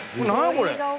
これ。